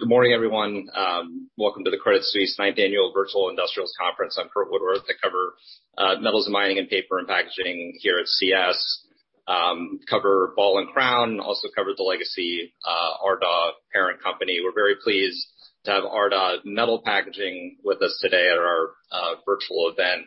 Good morning, everyone. Welcome to the Credit Suisse Ninth Annual Virtual Industrials Conference. I'm Curt Woodworth. I cover metals and mining and paper and packaging here at CS. I cover Ball and Crown, also cover the legacy Ardagh parent company. We're very pleased to have Ardagh Metal Packaging with us today at our virtual event.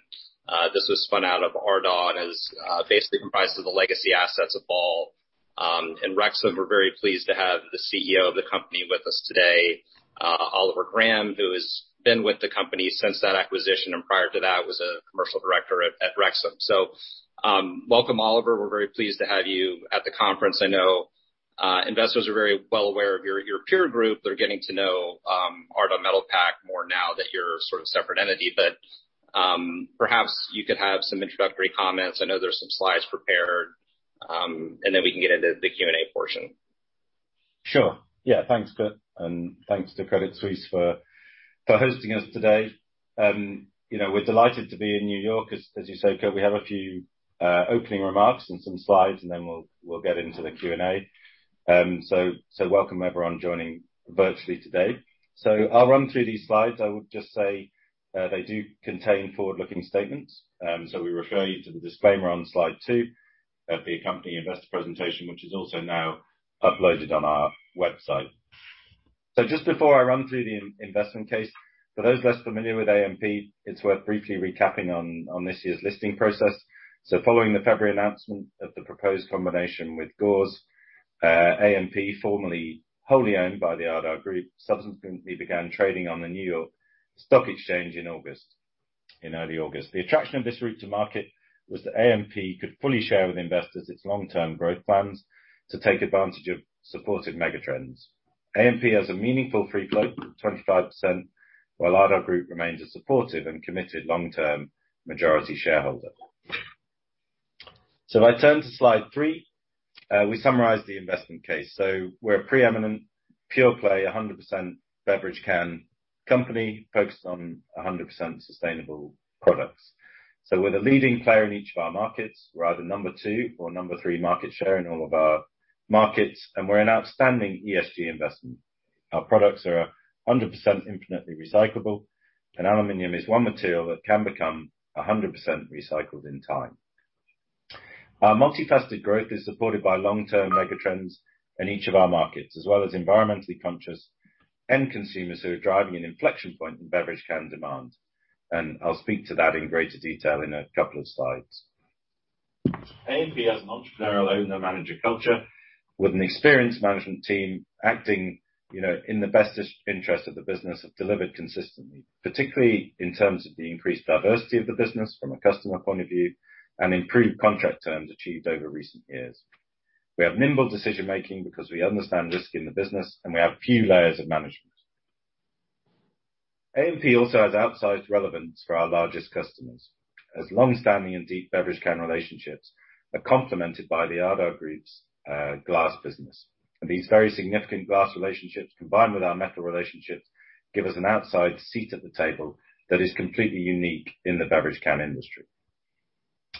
This was spun out of Ardagh and is basically comprised of the legacy assets of Ball and Rexam. We're very pleased to have the CEO of the company with us today, Oliver Graham, who has been with the company since that acquisition, and prior to that, was a commercial director at Rexam. Welcome, Oliver. We're very pleased to have you at the conference. I know investors are very well aware of your peer group. They're getting to know Ardagh Metal Packaging more now that you're a sort of separate entity, but perhaps you could have some introductory comments. I know there are some slides prepared, and then we can get into the Q&A portion. Sure. Yeah. Thanks, Curt, and thanks to Credit Suisse for hosting us today. You know, we're delighted to be in New York. As you say, Curt, we have a few opening remarks and some slides, and then we'll get into the Q&A. Welcome everyone joining virtually today. I'll run through these slides. I would just say, they do contain forward-looking statements, so we refer you to the disclaimer on slide two of the accompanying investor presentation, which is also now uploaded on our website. Just before I run through the investment case, for those less familiar with AMP, it's worth briefly recapping on this year's listing process. Following the February announcement of the proposed combination with Gores, AMP, formerly wholly owned by the Ardagh Group, subsequently began trading on the New York Stock Exchange in August, in early August. The attraction of this route to market was that AMP could fully share with investors its long-term growth plans to take advantage of supportive megatrends. AMP has a meaningful free float of 25%, while Ardagh Group remains a supportive and committed long-term majority shareholder. If I turn to Slide three, we summarize the investment case. We're a pre-eminent pure play, 100% beverage can company focused on 100% sustainable products. We're the leading player in each of our markets. We're either number two or number three market share in all of our markets, and we're an outstanding ESG investment. Our products are 100% infinitely recyclable, and aluminum is one material that can become 100% recycled in time. Our multifaceted growth is supported by long-term megatrends in each of our markets, as well as environmentally conscious end consumers who are driving an inflection point in beverage can demand. I'll speak to that in greater detail in a couple of slides. AMP has an entrepreneurial owner-manager culture with an experienced management team acting, you know, in the best interest of the business, have delivered consistently, particularly in terms of the increased diversity of the business from a customer point of view, and improved contract terms achieved over recent years. We have nimble decision-making because we understand risk in the business, and we have few layers of management. AMP also has outsized relevance for our largest customers. As long-standing and deep beverage can relationships are complemented by the Ardagh Group's glass business. These very significant glass relationships, combined with our metal relationships, give us an outsized seat at the table that is completely unique in the beverage can industry.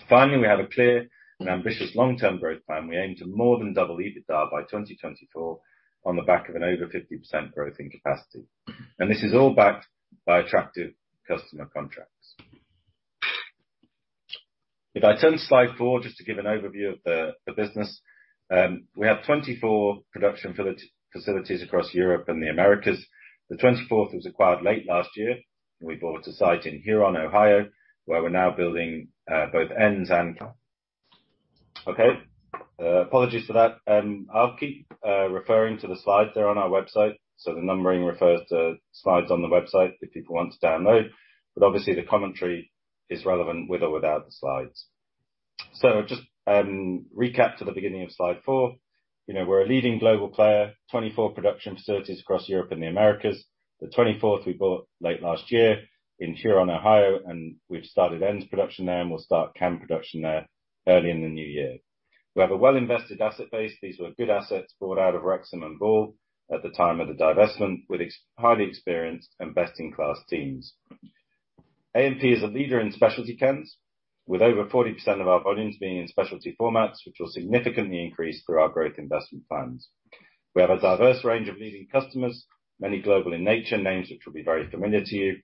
Finally, we have a clear and ambitious long-term growth plan. We aim to more than double EBITDA by 2024 on the back of an over 50% growth in capacity. This is all backed by attractive customer contracts. If I turn to Slide 4 just to give an overview of the business, we have 24 production facilities across Europe and the Americas. The 24th was acquired late last year, and we bought a site in Huron, Ohio, where we're now building both ends and. Okay. Apologies for that. I'll keep referring to the slides there on our website. The numbering refers to slides on the website if people want to download, but obviously the commentary is relevant with or without the slides. Recap to the beginning of Slide four. You know, we're a leading global player, 24 production facilities across Europe and the Americas. The 24th we bought late last year in Huron, Ohio, and we've started ends production there, and we'll start can production there early in the new year. We have a well-invested asset base. These were good assets brought out of Rexam and Ball at the time of the divestment with highly experienced and best-in-class teams. AMP is a leader in specialty cans, with over 40% of our volumes being in specialty formats, which will significantly increase through our growth investment funds. We have a diverse range of leading customers, many global in nature, names which will be very familiar to you,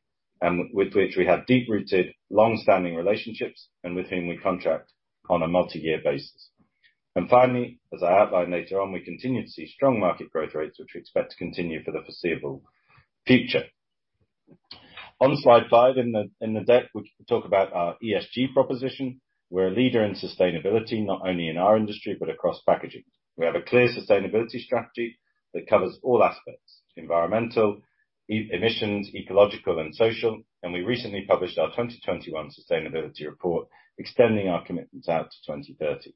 and with which we have deep-rooted, long-standing relationships and with whom we contract on a multi-year basis. Finally, as I outline later on, we continue to see strong market growth rates, which we expect to continue for the foreseeable future. On Slide 5 in the deck, we talk about our ESG proposition. We're a leader in sustainability, not only in our industry but across packaging. We have a clear sustainability strategy that covers all aspects, environmental, emissions, ecological, and social, and we recently published our 2021 sustainability report, extending our commitments out to 2030.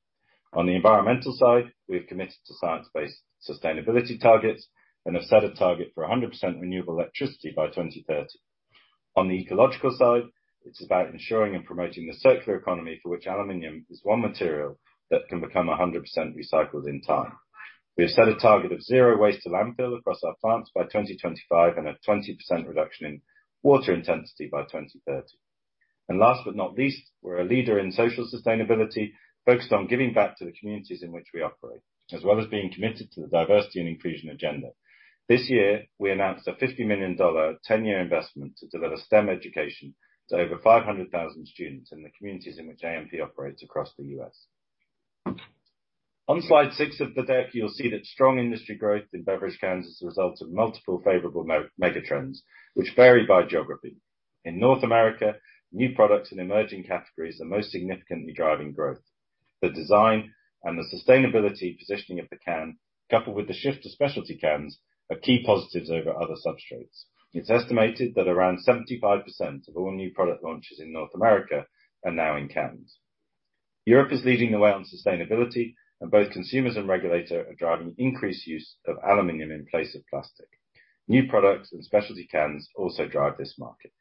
On the environmental side, we have committed to science-based sustainability targets and have set a target for 100% renewable electricity by 2030. On the ecological side, it's about ensuring and promoting the circular economy, for which aluminum is one material that can become 100% recycled in time. We have set a target of zero waste to landfill across our plants by 2025, and a 20% reduction in water intensity by 2030. Last but not least, we're a leader in social sustainability, focused on giving back to the communities in which we operate, as well as being committed to the diversity and inclusion agenda. This year, we announced a $50 million, 10-year investment to develop STEM education to over 500,000 students in the communities in which AMP operates across the U.S. On slide six of the deck, you'll see that strong industry growth in beverage cans is a result of multiple favorable mega trends which vary by geography. In North America, new products and emerging categories are most significantly driving growth. The design and the sustainability positioning of the can, coupled with the shift to specialty cans, are key positives over other substrates. It's estimated that around 75% of all new product launches in North America are now in cans. Europe is leading the way on sustainability, and both consumers and regulators are driving increased use of aluminum in place of plastic. New products and specialty cans also drive this market.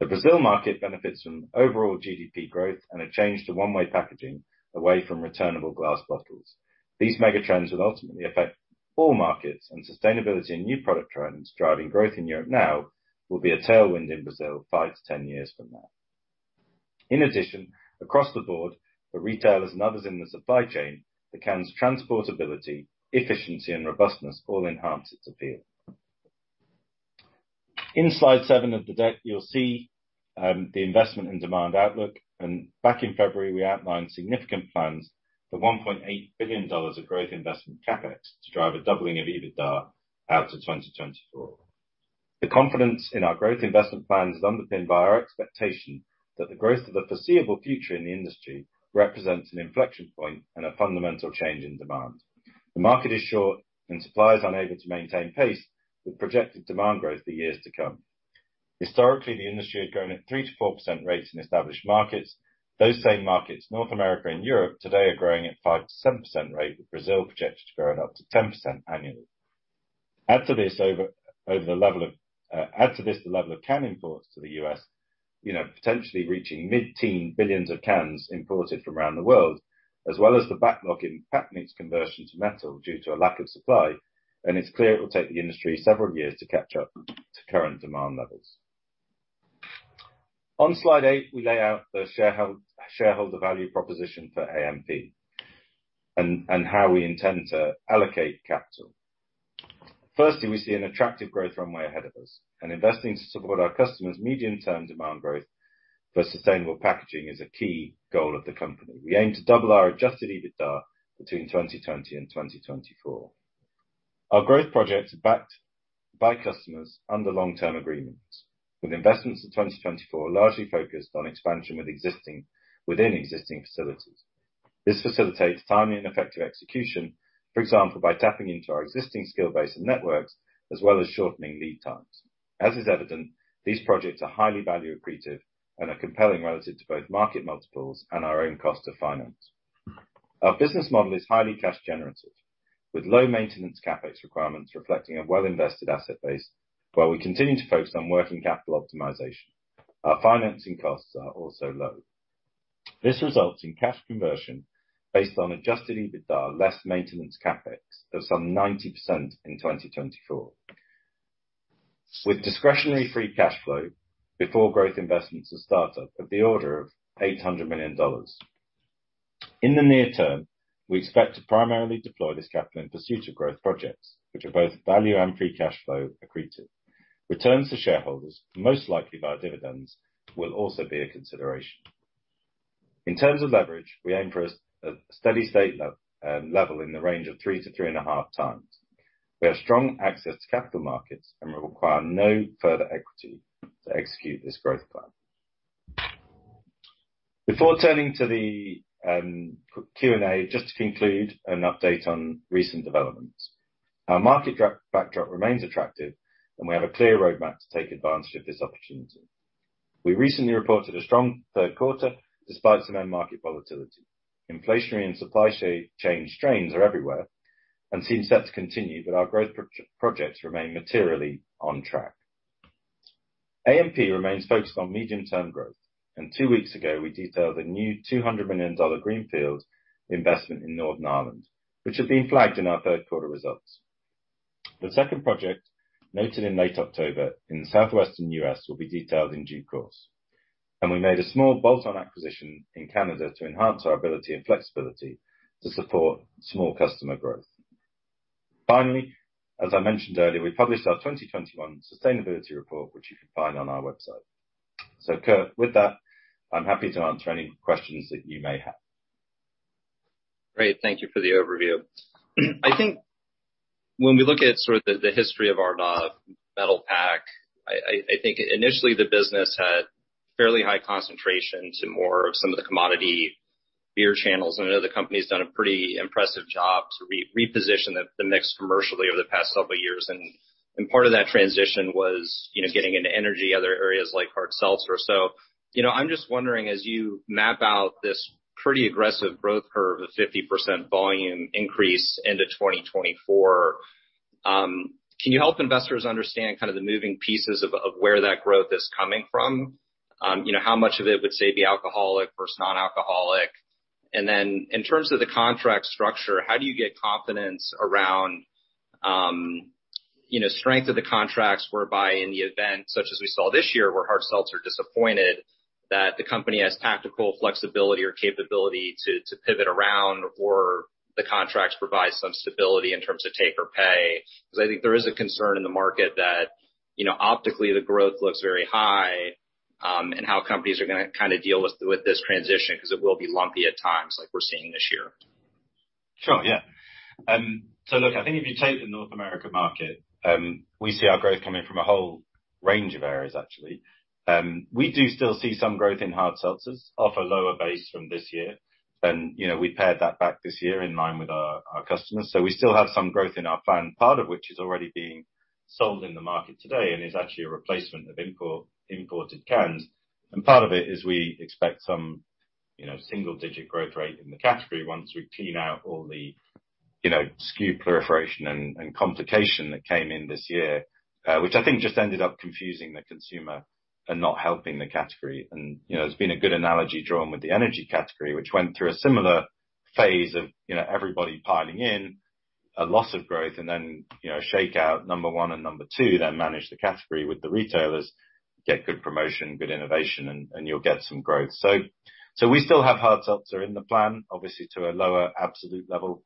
The Brazil market benefits from overall GDP growth and a change to one-way packaging away from returnable glass bottles. These mega trends will ultimately affect all markets and sustainability and new product trends driving growth in Europe now will be a tailwind in Brazil 5-10 years from now. In addition, across the board, for retailers and others in the supply chain, the can's transportability, efficiency and robustness all enhance its appeal. In slide seven of the deck, you'll see the investment and demand outlook. Back in February, we outlined significant plans for $1.8 billion of growth investment CapEx to drive a doubling of EBITDA out to 2024. The confidence in our growth investment plans is underpinned by our expectation that the growth of the foreseeable future in the industry represents an inflection point and a fundamental change in demand. The market is short and supply is unable to maintain pace with projected demand growth for years to come. Historically, the industry had grown at 3%-4% rates in established markets. Those same markets, North America and Europe, today are growing at 5%-7% rate, with Brazil projected to grow up to 10% annually. Add to this, the level of can imports to the U.S., potentially reaching mid-teens billions of cans imported from around the world, as well as the backlog in PET niche conversion to metal due to a lack of supply, and it's clear it will take the industry several years to catch up to current demand levels. On slide eight, we lay out the shareholder value proposition for AMP and how we intend to allocate capital. Firstly, we see an attractive growth runway ahead of us and investing to support our customers' medium-term demand growth for sustainable packaging is a key goal of the company. We aim to double our adjusted EBITDA between 2020 and 2024. Our growth projects are backed by customers under long-term agreements, with investments in 2024 largely focused on expansion within existing facilities. This facilitates timely and effective execution, for example, by tapping into our existing skill base and networks, as well as shortening lead times. As is evident, these projects are highly value accretive and are compelling relative to both market multiples and our own cost of finance. Our business model is highly cash generative, with low maintenance CapEx requirements reflecting a well-invested asset base, while we continue to focus on working capital optimization. Our financing costs are also low. This results in cash conversion based on adjusted EBITDA, less maintenance CapEx of some 90% in 2024. With discretionary free cash flow before growth investments and startup of the order of $800 million. In the near term, we expect to primarily deploy this capital in pursuit of growth projects which are both value and free cash flow accretive. Returns to shareholders, most likely via dividends, will also be a consideration. In terms of leverage, we aim for a steady state level in the range of 3-3.5 times. We have strong access to capital markets, and we require no further equity to execute this growth plan. Before turning to the Q&A, just to conclude, an update on recent developments. Our market backdrop remains attractive and we have a clear roadmap to take advantage of this opportunity. We recently reported a strong third quarter despite some end market volatility. Inflationary and supply chain strains are everywhere and seem set to continue, but our growth projects remain materially on track. AMP remains focused on medium-term growth, and two weeks ago, we detailed a new $200 million greenfield investment in Northern Ireland, which had been flagged in our third quarter results. The second project, noted in late October in the southwestern U.S., will be detailed in due course. We made a small bolt-on acquisition in Canada to enhance our ability and flexibility to support small customer growth. Finally, as I mentioned earlier, we published our 2021 sustainability report, which you can find on our website. Curt, with that, I'm happy to answer any questions that you may have. Great. Thank you for the overview. I think when we look at sort of the history of Ardagh Metal Packaging, I think initially the business had fairly high concentration to more of some of the commodity beer channels. I know the company's done a pretty impressive job to reposition the mix commercially over the past couple years. Part of that transition was, you know, getting into energy, other areas like hard seltzer. You know, I'm just wondering, as you map out this pretty aggressive growth curve of 50% volume increase into 2024, can you help investors understand kind of the moving pieces of where that growth is coming from? You know, how much of it would, say, be alcoholic versus non-alcoholic? In terms of the contract structure, how do you get confidence around, you know, strength of the contracts whereby in the event, such as we saw this year, where hard seltzers are disappointed, that the company has tactical flexibility or capability to pivot around, or the contracts provide some stability in terms of take-or-pay. Because I think there is a concern in the market that, you know, optically the growth looks very high, and how companies are gonna kinda deal with this transition because it will be lumpy at times, like we're seeing this year. Sure. Yeah. Look, I think if you take the North America market, we see our growth coming from a whole range of areas, actually. We do still see some growth in hard seltzers, off a lower base from this year. You know, we paired that back this year in line with our customers. We still have some growth in our plan, part of which is already being sold in the market today and is actually a replacement of imported cans. Part of it is we expect some, you know, single-digit growth rate in the category once we clean out all the, you know, SKU proliferation and complication that came in this year, which I think just ended up confusing the consumer and not helping the category. You know, there's been a good analogy drawn with the energy category, which went through a similar phase of, you know, everybody piling in, a loss of growth and then, you know, shake out number one and number two, then manage the category with the retailers, get good promotion, good innovation, and you'll get some growth. We still have hard seltzer in the plan, obviously to a lower absolute level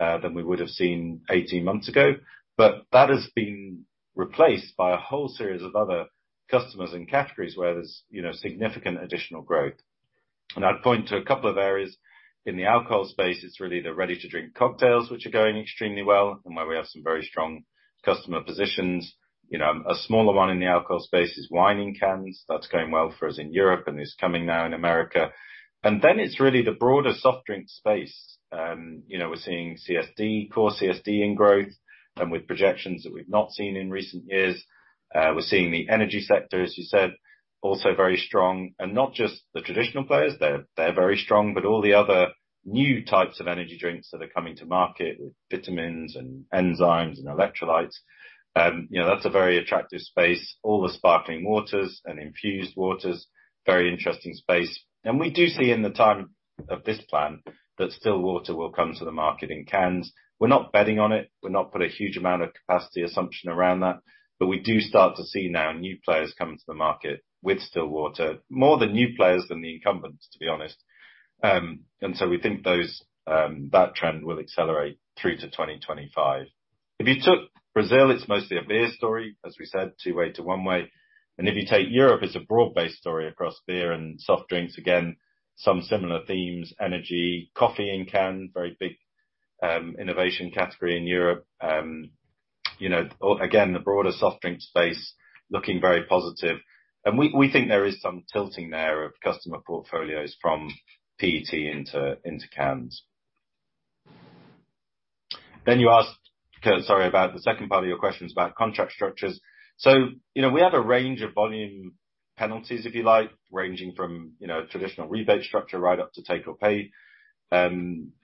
than we would have seen 18 months ago. But that has been replaced by a whole series of other customers and categories where there's, you know, significant additional growth. I'd point to a couple of areas. In the alcohol space, it's really the ready-to-drink cocktails, which are going extremely well, and where we have some very strong customer positions. You know, a smaller one in the alcohol space is wine in cans. That's going well for us in Europe and is coming now in America. It's really the broader soft drink space. We're seeing CSD, core CSD in growth and with projections that we've not seen in recent years. We're seeing the energy sector, as you said, also very strong. Not just the traditional players, they're very strong, but all the other new types of energy drinks that are coming to market with vitamins and enzymes and electrolytes. That's a very attractive space. All the sparkling waters and infused waters, very interesting space. We do see in the time of this plan that still water will come to the market in cans. We're not betting on it. We've not put a huge amount of capacity assumption around that. We do start to see now new players come into the market with still water, more the new players than the incumbents, to be honest. We think that trend will accelerate through to 2025. If you took Brazil, it's mostly a beer story, as we said, two-to-one. If you take Europe, it's a broad-based story across beer and soft drinks. Again, some similar themes, energy, coffee in can, very big innovation category in Europe. You know, again, the broader soft drink space looking very positive. We think there is some tilting there of customer portfolios from PET into cans. You asked about the second part of your question, which is about contract structures. You know, we have a range of volume penalties, if you like, ranging from, you know, traditional rebate structure right up to take-or-pay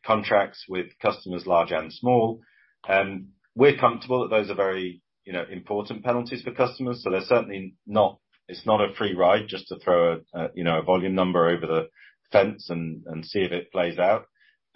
contracts with customers large and small. We're comfortable that those are very, you know, important penalties for customers. They're certainly not, it's not a free ride just to throw a, you know, a volume number over the fence and see if it plays out.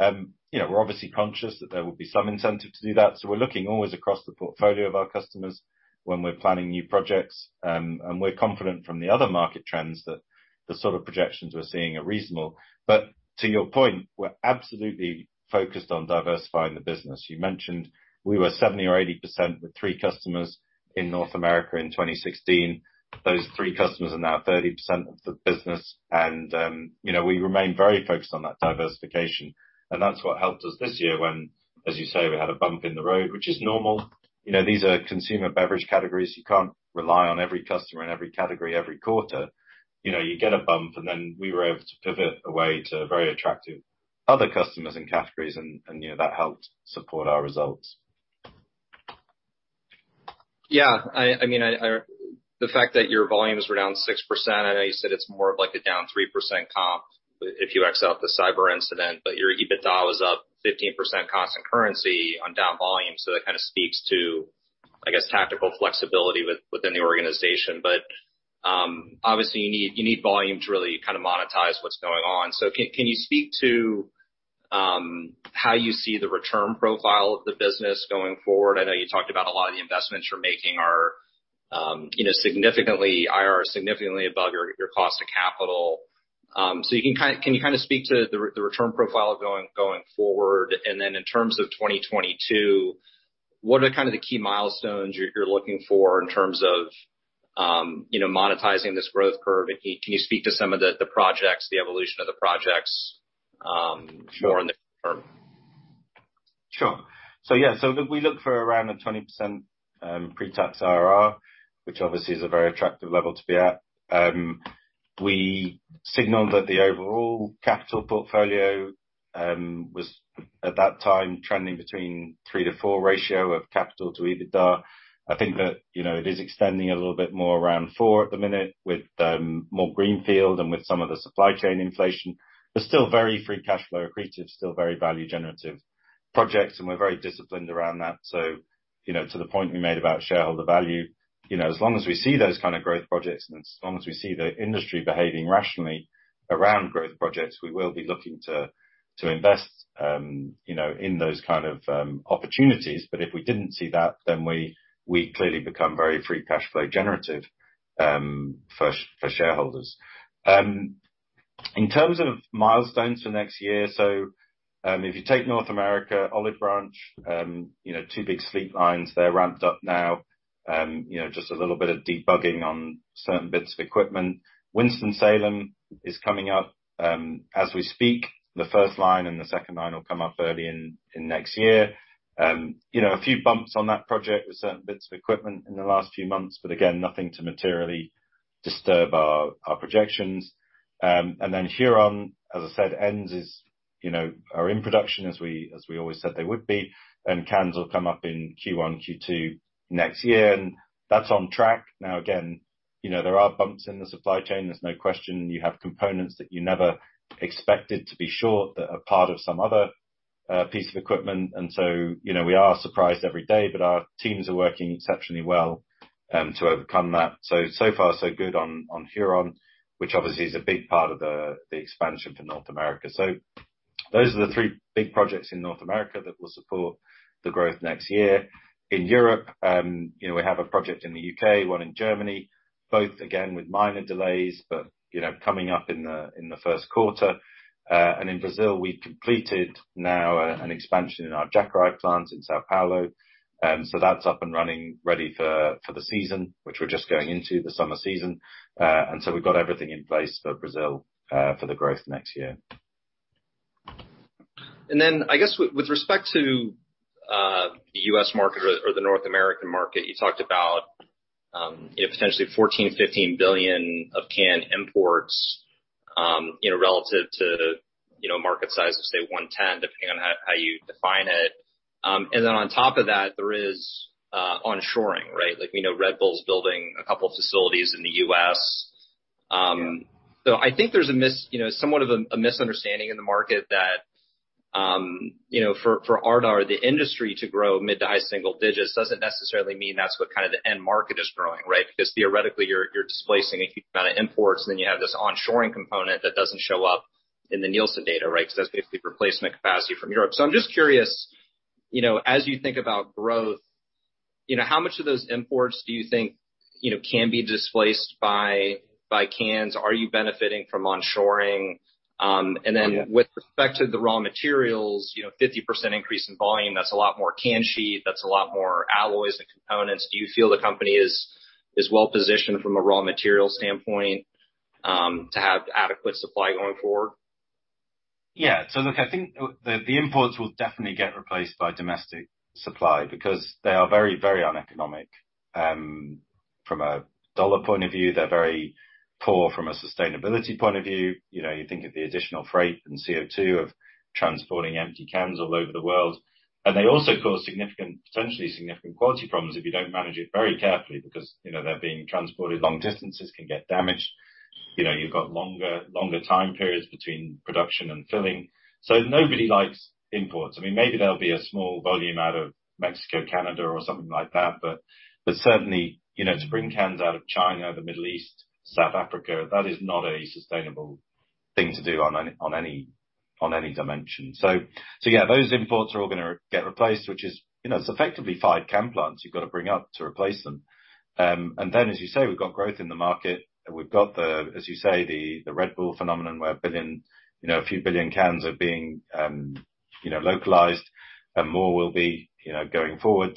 You know, we're obviously conscious that there will be some incentive to do that, so we're looking always across the portfolio of our customers when we're planning new projects. And we're confident from the other market trends that the sort of projections we're seeing are reasonable. To your point, we're absolutely focused on diversifying the business. You mentioned we were 70% or 80% with three customers in North America in 2016. Those three customers are now 30% of the business. You know, we remain very focused on that diversification. That's what helped us this year when, as you say, we had a bump in the road, which is normal. You know, these are consumer beverage categories. You can't rely on every customer in every category every quarter. You know, you get a bump, and then we were able to pivot away to very attractive other customers and categories and, you know, that helped support our results. I mean, the fact that your volumes were down 6%, I know you said it's more of like a down 3% comp if you X out the cyber incident, but your EBITDA was up 15% constant currency on down volume. That kind of speaks to, I guess, tactical flexibility within the organization. Obviously, you need volume to really kind of monetize what's going on. Can you speak to how you see the return profile of the business going forward? I know you talked about a lot of the investments you're making are, you know, significantly IRR is significantly above your cost of capital. Can you kind of speak to the return profile going forward? In terms of 2022, what are kind of the key milestones you're looking for in terms of, you know, monetizing this growth curve? Can you speak to some of the projects, the evolution of the projects? Sure. More in the short term? Sure. Yeah, we look for around a 20%, pre-tax IRR, which obviously is a very attractive level to be at. We signaled that the overall capital portfolio was at that time trending between a 3-4 ratio of capital to EBITDA. I think that, you know, it is extending a little bit more around 4 at the minute with more greenfield and with some of the supply chain inflation. They're still very free cash flow accretive, still very value generative projects, and we're very disciplined around that. You know, to the point we made about shareholder value. You know, as long as we see those kind of growth projects and as long as we see the industry behaving rationally around growth projects, we will be looking to invest, you know, in those kind of opportunities. If we didn't see that, then we clearly become very free cash flow generative for shareholders. In terms of milestones for next year, if you take North America, Olive Branch, you know, two big Sleek lines, they're ramped up now. You know, just a little bit of debugging on certain bits of equipment. Winston-Salem is coming up as we speak. The first line and the second line will come up early in next year. You know, a few bumps on that project with certain bits of equipment in the last few months, but again, nothing to materially disturb our projections. Huron, as I said, is, you know, in production as we always said they would be, and cans will come up in Q1, Q2 next year, and that's on track. Now, again, you know, there are bumps in the supply chain, there's no question. You have components that you never expected to be short that are part of some other piece of equipment. You know, we are surprised every day, but our teams are working exceptionally well to overcome that. So far, so good on Huron, which obviously is a big part of the expansion for North America. Those are the three big projects in North America that will support the growth next year. In Europe, you know, we have a project in the U.K., one in Germany, both again with minor delays, but, you know, coming up in the first quarter. In Brazil, we completed now an expansion in our Jacareí plant in São Paulo. So that's up and running, ready for the season, which we're just going into, the summer season. We've got everything in place for Brazil for the growth next year. I guess with respect to the U.S. market or the North American market, you talked about, you know, potentially 14-15 billion of canned imports, you know, relative to, you know, market size of, say, 110, depending on how you define it. On top of that, there is onshoring, right? Like, we know Red Bull's building a couple facilities in the U.S. Yeah. I think there's you know, somewhat of a misunderstanding in the market that, you know, for Ardagh, the industry to grow mid- to high-single-digit % doesn't necessarily mean that's what kind of the end market is growing, right? Because theoretically, you're displacing a huge amount of imports, and then you have this onshoring component that doesn't show up in the Nielsen data, right? Because that's basically replacement capacity from Europe. I'm just curious, you know, as you think about growth, you know, how much of those imports do you think, you know, can be displaced by cans? Are you benefiting from onshoring? Yeah. With respect to the raw materials, you know, 50% increase in volume, that's a lot more can sheet, that's a lot more alloys and components. Do you feel the company is well positioned from a raw material standpoint to have adequate supply going forward? Yeah. Look, I think the imports will definitely get replaced by domestic supply because they are very uneconomic from a US dollar point of view. They're very poor from a sustainability point of view. You know, you think of the additional freight and CO2 of transporting empty cans all over the world. They also cause significant, potentially significant quality problems if you don't manage it very carefully, because, you know, they're being transported long distances, can get damaged. You know, you've got longer time periods between production and filling. Nobody likes imports. I mean, maybe there'll be a small volume out of Mexico, Canada or something like that. Certainly, you know, to bring cans out of China, the Middle East, South Africa, that is not a sustainable thing to do on any dimension. Those imports are all gonna get replaced, which is, you know, it's effectively five can plants you've got to bring up to replace them. As you say, we've got growth in the market. We've got, as you say, the Red Bull phenomenon, where a billion, you know, a few billion cans are being, you know, localized and more will be, you know, going forward.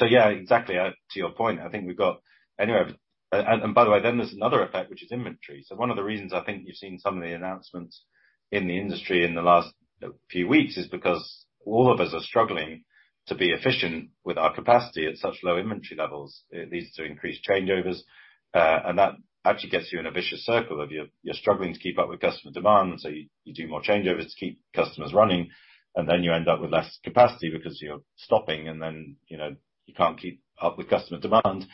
Yeah, exactly. To your point, I think we've got another effect, which is inventory. One of the reasons I think you've seen some of the announcements in the industry in the last, you know, few weeks is because all of us are struggling to be efficient with our capacity at such low inventory levels. It leads to increased changeovers, and that actually gets you in a vicious circle of you're struggling to keep up with customer demand, so you do more changeovers to keep customers running, and then you end up with less capacity because you're stopping, and then, you know, you can't keep up with customer demand.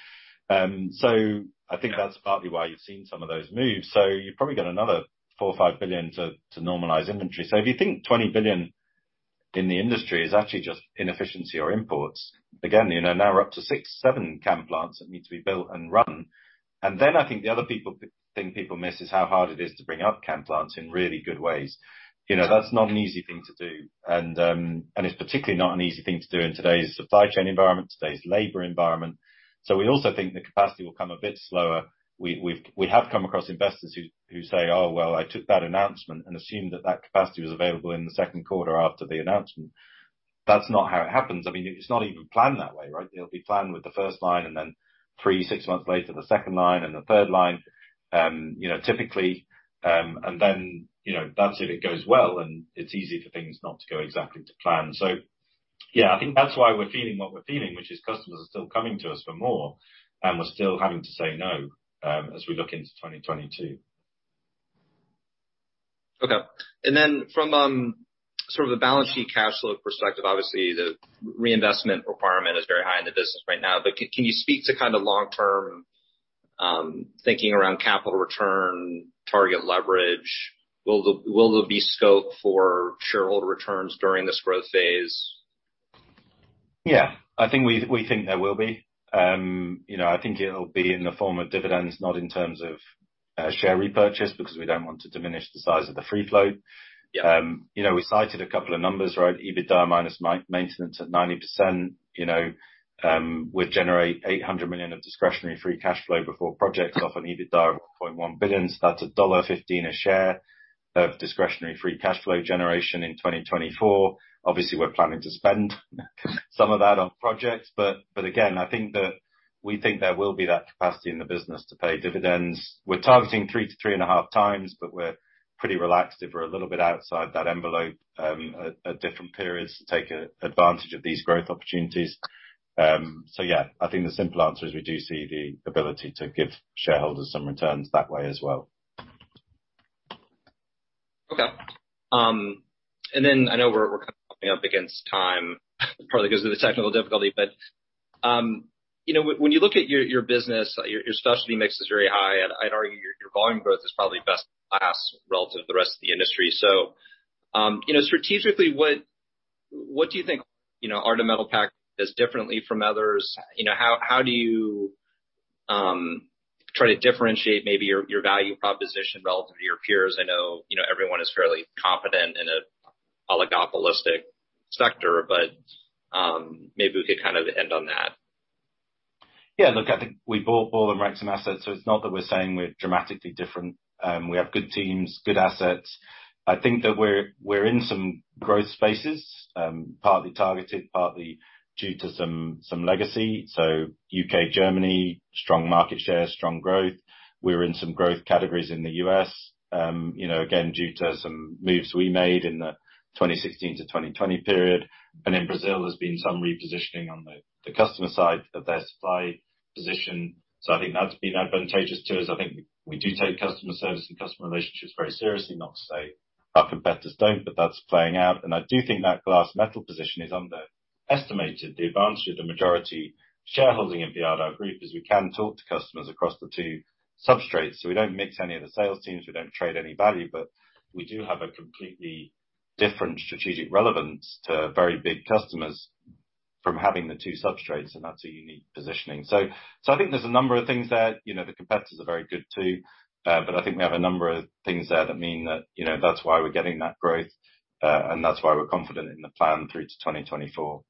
I think that's partly why you've seen some of those moves. You've probably got another $4 billion or $5 billion to normalize inventory. If you think $20 billion in the industry is actually just inefficiency or imports, again, you know, now we're up to six, seven can plants that need to be built and run. I think the thing people miss is how hard it is to bring up can plants in really good ways. You know, that's not an easy thing to do. It's particularly not an easy thing to do in today's supply chain environment, today's labor environment. We also think the capacity will come a bit slower. We have come across investors who say, "Oh, well, I took that announcement and assumed that capacity was available in the second quarter after the announcement." That's not how it happens. I mean, it's not even planned that way, right? It'll be planned with the first line, and then three, six months later, the second line and the third line, you know, typically. You know, that's if it goes well, and it's easy for things not to go exactly to plan. Yeah, I think that's why we're feeling what we're feeling, which is customers are still coming to us for more, and we're still having to say no, as we look into 2022. Okay. Then from sort of a balance sheet cash flow perspective, obviously the reinvestment requirement is very high in the business right now, but can you speak to kind of long-term thinking around capital return, target leverage, will there be scope for shareholder returns during this growth phase? Yeah, I think we think there will be. You know, I think it'll be in the form of dividends, not in terms of share repurchase, because we don't want to diminish the size of the free float. Yeah. You know, we cited a couple of numbers, right? EBITDA minus maintenance at 90%, you know, would generate $800 million of discretionary free cash flow before projects off an EBITDA of $1.1 billion. That's $1.15 a share of discretionary free cash flow generation in 2024. Obviously, we're planning to spend some of that on projects, but again, I think there will be that capacity in the business to pay dividends. We're targeting 3-3.5 times, but we're pretty relaxed if we're a little bit outside that envelope, at different periods to take advantage of these growth opportunities. Yeah, I think the simple answer is we do see the ability to give shareholders some returns that way as well. Okay. Then I know we're kind of up against time, partly because of the technical difficulty. You know, when you look at your business, your specialty mix is very high, and I'd argue your volume growth is probably best in class relative to the rest of the industry. You know, strategically, what do you think, you know, Ardagh Metal Packaging does differently from others? You know, how do you try to differentiate maybe your value proposition relative to your peers? I know, you know, everyone is fairly confident in an oligopolistic sector, maybe we could kind of end on that. Yeah, look, I think we bought Ball and Rexam assets, so it's not that we're saying we're dramatically different. We have good teams, good assets. I think that we're in some growth spaces, partly targeted, partly due to some legacy. U.K., Germany, strong market share, strong growth. We're in some growth categories in the U.S., you know, again, due to some moves we made in the 2016 to 2020 period. In Brazil, there's been some repositioning on the customer side of their supply position. I think that's been advantageous to us. I think we do take customer service and customer relationships very seriously. Not to say our competitors don't, but that's playing out. I do think that glass metal position is underestimated. The advantage of the majority shareholding in Ardagh Group is we can talk to customers across the two substrates. We don't mix any of the sales teams, we don't trade any value, but we do have a completely different strategic relevance to very big customers from having the two substrates, and that's a unique positioning. I think there's a number of things there. You know, the competitors are very good too, but I think we have a number of things there that mean that, you know, that's why we're getting that growth, and that's why we're confident in the plan through to 2024.